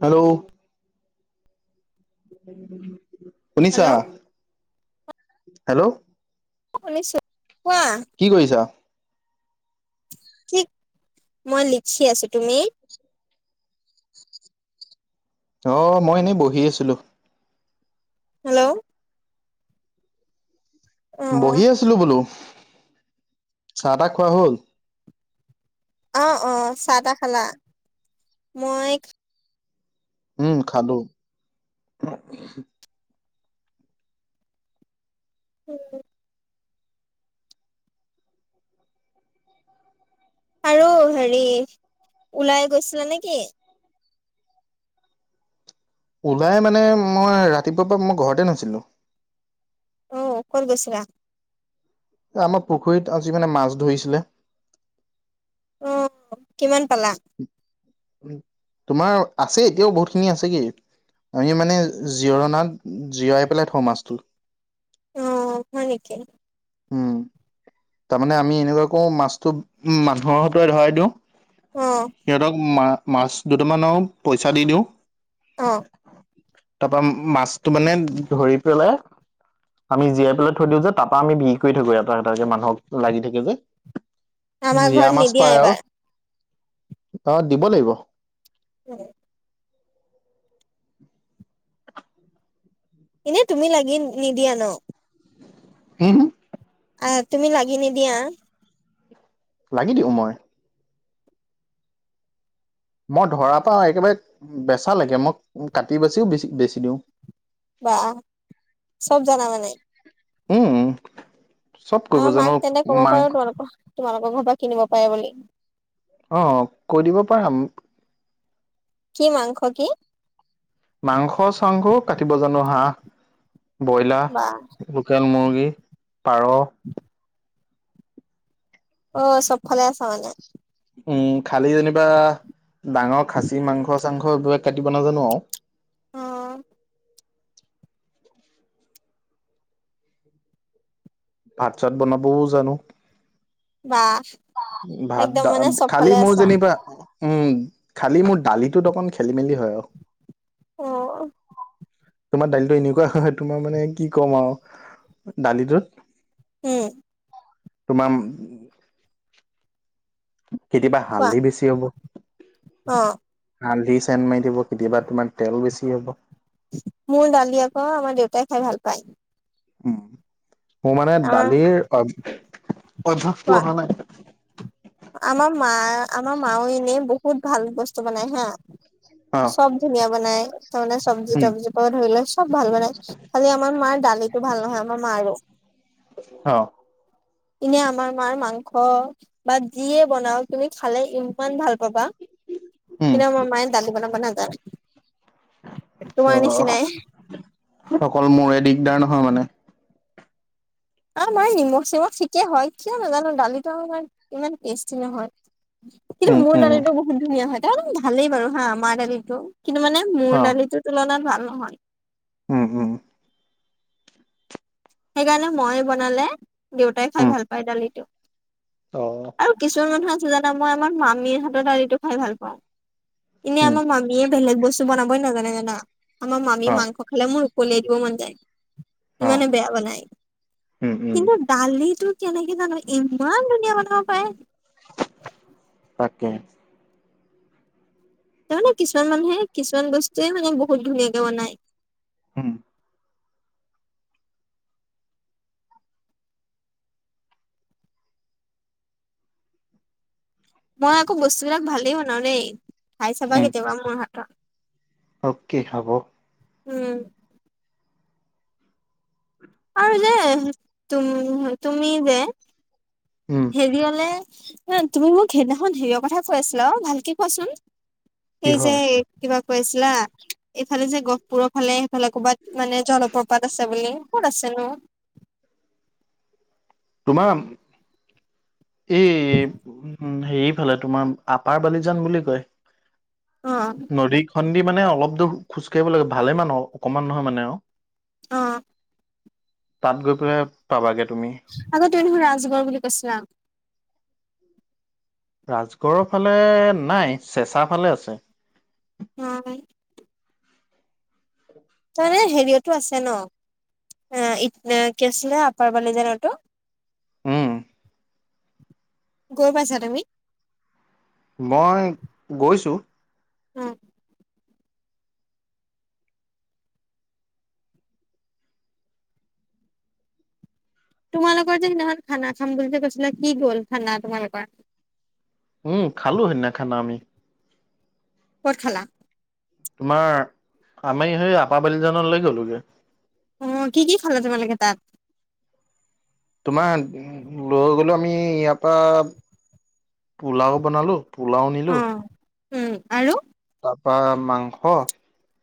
Hello! শুনিছা? Hello hello! শুনিছো, কোৱা। কি কৰিছা? কি মই লিখি আছো। তুমি? অ মই এনেই বহি আছিলো। হেল্ল'! বহি আছিলো বোলো। চাহ তাহ খোৱা হল? অ অ চাহ তাহ খালা? মই উম খালো। উম আৰু হেৰি ওলাই গৈছিলা নেকি? ওলাই মানে মই ৰাতিপুৱাৰ পৰা মই ঘৰতে নাছিলো। অ ক'ত গৈছিলা? আমাৰ পুখুৰীত আজি মানে মাছ ধৰিছিলে। অ কিমান পালা? তোমাৰ আছে এতিয়াও বহুত খিনি আছেগেই। আমি মানে জিৰণাত জিৰাই পেলাই থম মাছটো। অ হয় নেকি? উম তাৰমানে আমি এনেকুৱা কৰো মাছটো উম মানুহৰ হতুৱাই ধৰাই দিওঁ। অ সিহঁতক মা মাছ দুটামান আৰু পইচা দি দিওঁ। অ তাৰপৰা মাছটো মানে ধৰি পেলাই আমি জীয়াই পেলাই থৈ দিওঁ যে তাৰপৰা আমি বিক্ৰী থাকো এটা এটাকৈ মানুহক। লাগি থাকে যে, আমাৰ জীয়া ঘৰত মাছ নিদিয়া পায় আৰু। এবাৰ অ দিব লাগিব। [inaudible] এনে তুমি লাগি নিদিয়া ন? হু হু? আহ তুমি লাগি নিদিয়া? লাগি দিওঁ মই। মই ধৰা পৰা একেবাৰে বেচালৈকে মই কাটি বাচিওে বেছি দিওঁ। বা চব জানা মানে উম চব আমাৰ কৰিব মাক জানো তেন্তে কব পাৰো মাংস তোমালোকৰ তোমালোকৰ ঘৰ পৰা কিনিব পাৰে বুলি অ কৈ দিব পাৰা কি মাংস কি মাংস চাংসও কাটিব জানো হাঁহ বা ব্ৰইলাৰ লোকেল মুৰ্গী পাৰ উম অ চবফালে আছা মানে উম খালী যেনিবা ডাঙৰ খাচী মাংস চাংস এইবিলাক কাটিব নাজানো আৰু অ ভাত চাত বনাবও জানো বাহ একদম ভাত মানে খালি চবফালে মোৰ আছা যেনিবা উম খালি মোৰ দালিটোত অকন খেলি মেলি হয় আৰু অ তোমাৰ দালিটো এনেকুৱা হয় তোমাৰ মানে কি ক'ম আৰু দালিটোত উম তোমাৰ কেতিয়াবা কোৱা হালধি বেছি হ'ব অ', আলধি চেন মাৰি দিব কেতিয়াবা তোমাৰ তেল বেছি হ'ব মোৰ ডালি আ ক আমাৰ দেউতাই খাই ভাল পায় উ মোৰ মানে আমাৰ দালিৰ অ [unintelligible] কোৱা অহা নাই আমাৰ মা আমাৰ মাও এনে বহুত ভাল বস্তু বনাই হা অ চব ধুনীয়া বনাই তাৰমানে চব্জি উম তবজি প ধ ল চব ভাল বনাই খালি আমাৰ মাৰ দালিতো ভাল নহয় আমাৰ মাৰো অ এনে আমাৰ মাৰ মাংস বা যিয়ে বনাও তুমি খালে ইমান ভাল পাবা উম কিন্ত আমাৰ মায়ে দালি বনাব নাজানে তোমাৰ অ নিচিনাই অকল মোৰে দিগদাৰ নহয় মানে আ মাৰে নিমখ চিমখ ঠিকে হয় কিয় নাজানো দালিখন মাৰ ইমান টেষ্টি নহয় কিন্তু উম মোৰ উম দালিটো বহুত ধুনীয়া হয় তাক ভালেই বাৰু হা আ মাৰ দালিটো কিন্তু মানে মোৰ দালিটোৰ তুলনাত ভাল নহয় ওম ওম সেইকাৰণে মই বনালে, দেউতাই খাই উম ভাল পায় দালিটো। অ। আৰু কিছুমান মানুহ আছে যানা মই আমাৰ মামীৰ হাতৰ দলিটো খাই ভাল পাও। ইনে উম আমাৰ মামীয়ে বেলেগ বস্তু বনাবই নাজানে জানা। আমাৰ মামিৰ অ মাংস খালে মোৰ উকলিয়াই দিব মন যায়। অ ইমানে বেয়া বনায়। উম উম কিন্তু দালিটো কেনেকে জানো ইমান ধুনীয়া বনাব পাৰে। তাকে। তাৰমানে কিছুমান মানুহে কিছুমান বস্তুৱে মানে বহুত ধুনীয়াকে বনায়। হম মই আকৌ বস্তু বিলাক ভালেই বনাও দেই খাই চাবা উম কেতিয়াবা মোৰ হাতত অকে হব উম। আৰু যে তুম তুমি যে উম হেৰিয়লে, এন তুমি মোক সেইদিনাখন হেৰিয়ৰ কথা কৈ আছিলা অ ভালকে কোৱাচোন? এই যে কিহৰ কিবা কৈ কৈছিলা এইফালে যে গহপুৰৰ ফালে সেইফালে ক'ৰবাত মানে জলপ্ৰপাত আছে বুলি, ক'ত আছে নো? তোমাৰ এই উম, সেইফালে তোমাৰ আপাৰ বালিজান বুলি কয়। অ নদীখনদি মানে অলপ দূৰ খোজকাঢ়িব লাগে ভালে মান আও, অকমান নহয় মানে আও। অ তাত গৈ পেলাই পাবাগে তুমি। আগতে দেখোন ৰাজগড় বুলি কৈছিলা। ৰাজগড়ৰ ফালে নাই, চেচা ফালে আছে। [inaudible] তাৰমানে হেৰিয়তো আছে ন। [unintelligible] কি আছিলে আপাৰ বালিজানৰটো? উম। গৈ পাইছা তুমি? মই গৈছো। উম। তোমালোকৰ যে সিদিনাখন খানা খাম বুলি যে কৈছিলা কি গ'ল খানা তোমালোকৰ? উম, খালো সেইদিনা খানা আমি। ক'ত খালা? তোমাৰ, আমি সেই আপাৰ বালিজানলৈ গ'লোগে। অ', কি-কি খালা তোমালোকে তাত? তোমাৰ উম লৈ গলো আমি ইয়াৰ পৰা পোলাও বনালো, পোলাও নিলো। অহ উম, আৰু তাৰপা মাংস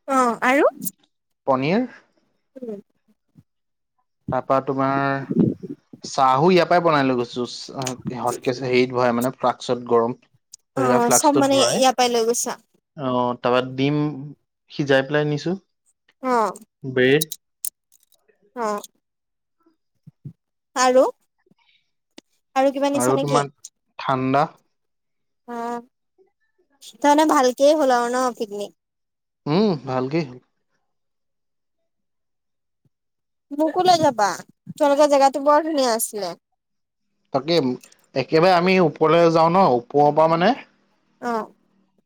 অ', আৰু? পনীৰ উম। তাপা তোমাৰ, চাহো ইয়াৰ পৰাই বনাই লৈ গৈছ জুছ আহাত হতকেচ হেৰিত ভৰায় মানে ফ্ৰাক্সত গৰম অ ধৰিবা চব ফ্লাস্কটোত মানে ভৰাই। ইয়াৰ পৰাই লৈ গৈছা অ', তাৰপা ডিম সিজাই পেলাই নিছো। অ ব্ৰেড অ'। আৰু? কিবা নিছা আৰু নেকি তোমাক ঠাণ্ডা। অ'। সি তাৰ মানে ভালকেই হ'ল আৰু ন পিকনিক? উম, ভালকেই। মোকো লৈ যাবা, তোমালোকৰ জেগাতো বৰ ধুনীয়া আছিলে। তাকে, একেবাৰে আমি ওপৰলৈ যাওঁ ন ওপৰৰ পৰা মানে অ।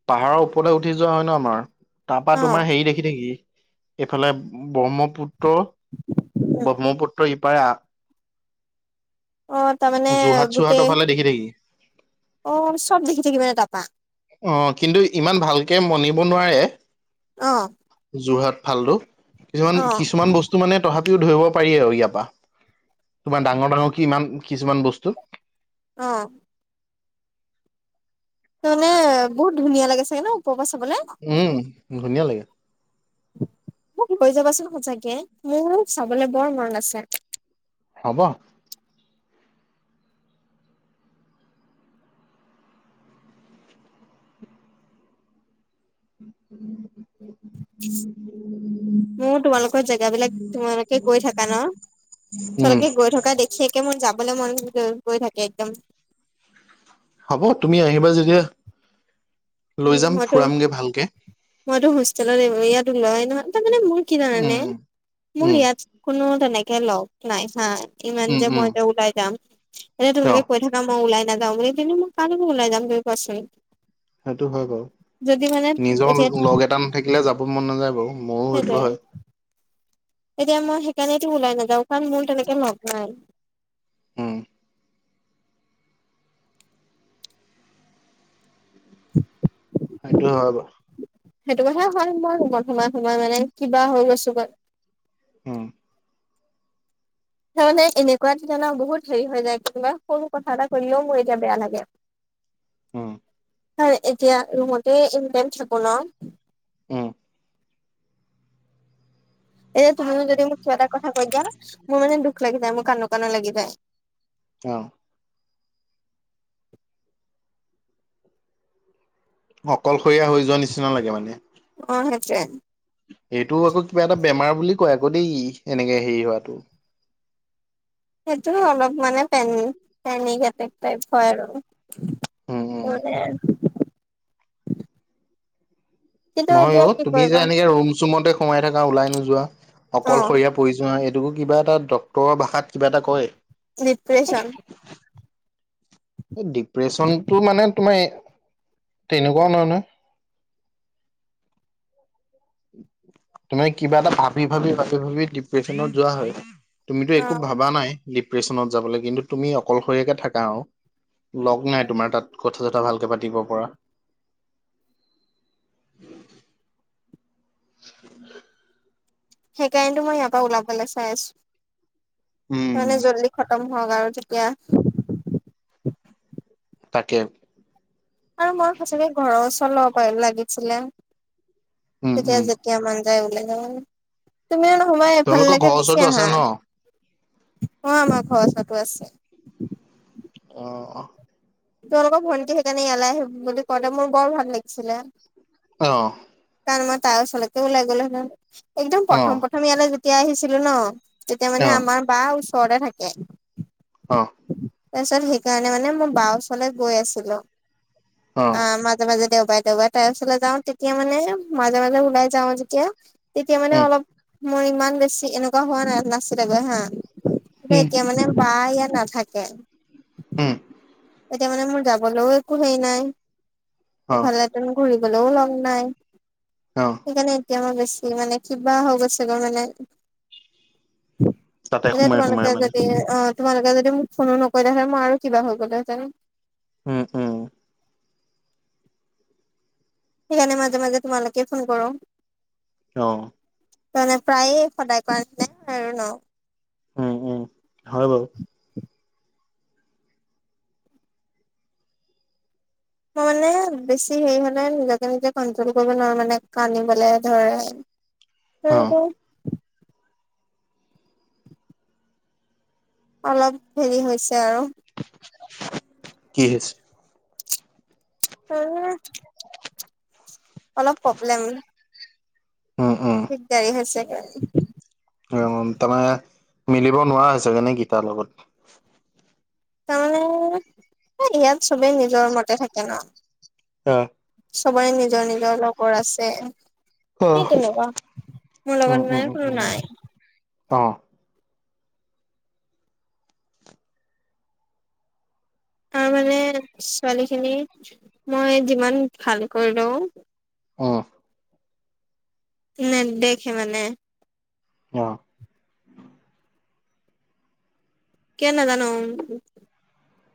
পাহাৰৰ ওপৰলৈ উঠি যোৱা হয় ন আমাৰ, তাৰপৰা অ তোমাৰ হেৰি দেখি থাকি। এইফালে ব্ৰহ্মপুত্ৰ - উম। ব্ৰহ্মপুত্ৰ ইপাৰে আ অ তাৰ মানে গোটেই থ থি [unintelligible] অ চব দেখি থাকি মানে তাপা? অ'কিন্তু ইমান ভালকে মনিব নোৱাৰে। অ'। যোৰহাট ফালটো, অ কিছুমান-কিছুমান বস্তু মানে তথা তিও ধৰিব পাৰি আৰু ইয়াৰপা, তোমাৰ ডাঙৰ ডাঙৰ কি ইমান কিছুমান বস্তু। অ'। ত মানে বহুত ধুনীয়া লাগে চাগে ন ওপৰৰ পৰা চাবলে। উম! ধুনীয়া লাগে। মোক লৈ যাবাচোন সঁচাকে মোৰ চাবলে বৰ মন আছে। হ'ব। [unintelligible] মোৰ তোমালোকৰ জেগা বিলাক তোমালোকে গৈ থাকা ন, উম তোলোকে গৈ থকা দে হেকে মোৰ যাবলৈ মন গৈ থাকে একদম। হ'ব তুমি আহিবা যেতিয়া। লৈ উম! যাম মইতো, ফুৰামগে ভালকে মইতো হোষ্টেলত ইয়াতো লোৱা নহয় তাৰ মানে মোৰ। কি জানানে উম মোৰ উম ইয়াত কোনো তেনেকে লগ নাই হা। ইমান উম যে উম মই যে ওলাই যাম এতিয়া তোমাক অ কৈ থাক ন মই ওলাই নাজাওঁ বোলি কিন্তু মই কাৰ লগত ওলাই যাম তুমি কোৱাচোন? সেইটো হয় বাৰু, যদি মানে নিজৰ এতিয়া লগ এটা নাথাকিলে যাব মন নাযায় বাৰু মোৰো সেইটোৱে সেইটো হয়। এতিয়া মই সেইকাৰণেতো ওলাই নাযাওঁ কাৰণ মোৰ তেনেকে লগ নাই। উম। [unintelligible] সেইটো হয় বাওঁ। সেইটো কথাই হয় মই ৰোমত সোমাই সোমাই মানে কিবা হৈ গৈছো গৈ। উম। তাৰমানে এনেকুৱা দিনা ন বহুত হেৰি হৈ যায় কেতিয়াবা সৰু কথা এটা কৈ দিলেওঁ মোৰ এতিয়া বেয়া লাগে। [unintelligible] উম। এতিয়া ৰুমতে ইনিটাইম থাকোঁ ন। উম। এ তুমিও যদি মোক কিবা এটা কথা কৈ দিয়া, মোৰ মানে দুখ লাগি যায়, মোৰ কান্দো কান্দো লাগি যায়। অ। অকলশৰীয়া হৈ যোৱা নিচিনা লাগে মানে। অ সেইটোৱে। এইটো আকৌ কিবা এটা বেমাৰ বুলি কয় আকৌ দেই, এনেকে হেৰি হোৱাটো। সেইটো অলপ মানে পেনি পেনিক এটেক টাইপ হয় আৰু। উম ত উম [unintelligible] কিন্তু নহয় এতিয়া অ, কি তুমি যে কৰিবা এনেকে ৰুম চুমতে সোমাই থাকা ওলাই নোযোৱা অ অকলশৰীয়া পৰি যোৱা। সেইবোৰ কিবা এটা ডক্তৰৰ ভাষাত কিবা এটা কয়। ডিপ্ৰেচন। এই ডিপ্ৰেচনতটো মানে তোমাৰ তেনেকুৱাও নহয় নহয়। উম [unintelligible] তুমি কিবা এটা ভাবি, ভাবি, ভাবি, ভাবি ডিপ্ৰেচনত যোৱা হয়, তুমিতো অ একো ভাবা নাই। ডিপ্ৰেচনত যাবলে কিন্তু তুমি অকলশৰীয়াকে থাকা আৰু। লগ নাই তোমাৰ তাত কথা চথা ভালকে পাতিব পৰা। [inaudible] সেইকাৰণেতো মই ইয়াৰ পৰা ওলাবলৈ চাই আছো উম সেইকাৰণে জল্দি খতম। ভগা আৰু তেতিয়া তাকে। আৰু মই সঁচাকে ঘৰৰ ওচৰৰ লব পৰা লাগিছিলে উম তেতিয়া উম যে। যেতিয়া মন যায় ওলাই যাব তুমিও নহোমাই তেওঁলোকৰ ইফালৈকে ঘৰৰ গুচি ওচৰতো আছে আহা। ন অ আমাৰ ঘৰ ওচৰতো আছে। অ অ। তেওঁলোকৰ ভন্টি সেইকাৰণে এয়ালে আহিম বুলি কোৱা কাৰণে মোৰ বৰ ভাল লাগিছিলে। অ। কাৰণ মই তাই ওচৰলেকে ওলাই গলো হেতেন, একদম অ প্ৰথম প্ৰথম ইয়ালৈ যেতিয়া আহিছিলো ন। তেতিয়া অ মানে আমাৰ বা ওচৰতে থাকে। অ। তাৰপিছত সেইকাৰণে মানে মোৰ বাৰ ওচৰলৈ গৈ আছিলো অ আহ ম। মাজে মাজে দেওবাৰে দেওবাৰে তাইৰ ওচৰলৈ যাওঁ তেতিয়া মানে মাজে মাজে ওলাই যাওঁ যেতিয়া। তেতিয়া মানে উম অলপ মোৰ ইমান বেছি এনেকুৱা হোৱা নাই নাচি গৈ হা। উম এতিয়া মানে বা ইয়াত নাথাকে। উম এতিয়া মানে মোৰ যাবলৈও একো হেৰি নাই অ ইফালেতেন ঘূৰিবলেও লগ নাই। অহ। সেইকাৰণে এতিয়া মই বেছি মানে কিবা হৈ গৈছে মোৰ মানে। তাতে এতিয়া সোমাই সোমাই তোমালোকে মানে যদি অ তোমালোকে যদি মোক ফোনো নকৰিলাহেতেন মই আৰু কিবা হৈ গলোহেতেন। উম উম। সেইকাৰণে মাজে মাজে তোমালেকে ফোন কৰোঁ। অহ। মানে প্ৰায়ে সদায় কৰা নিছিনাই হয় আৰু ন। উম উম হয় বাৰু। মই মানে বেছি হেৰি হলে নিজকে নিজে কন্ট্ৰোল কৰিব নোৱাৰো মানে কান্দিবলে ধৰে। অ সেই টো। অলপ হেৰি হৈছে আৰু। কি হৈছে। মানে। অলপ প্ৰব্লেম। উম‌ উম। দিগদাৰী হৈছে গে। উম তাৰমানে মিলিব নোৱাৰা হৈছগে নেকি তাৰ লগত। তাৰমানে ইয়াত চবেই নিজৰ মতে থাকে ন। আহ। চবৰে নিজৰ নিজৰ লগৰ আছে। অ সেইটেনেকুৱা মোৰ লগত মানে কোনো নাই। অহ। তাৰ মানে ছোৱালীখিনি মই যিমান ভাল কৰি লওঁ। অহ। নে দেখে মানে। অহ। কিয় নাজানোং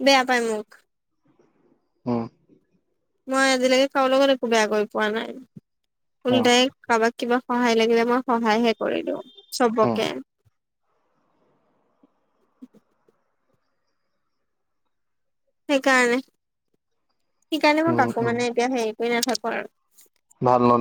বেয়া পায় মোক। অ'। মই আজিলৈকে কাৰো লগত একো বেয়া কৰি পোৱা নাই। অ উল্টাই কাৰোবাক কিবা সহায় লাগিলে মই সহায়হে কৰি দিওঁ উম চবকে। সেইকাৰণে। সেইকাৰণে মই উম কাকো উম মানে এতিয়া হেৰি কৰি নাথাকো আৰু। ভাল ন